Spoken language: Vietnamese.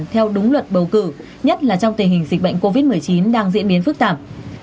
theo đúng luật bầu cử nhất là trong tình hình dịch bệnh covid một mươi chín đang diễn biến phức tạp